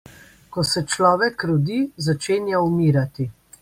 Ko se človek rodi, začenja umirati.